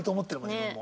自分も。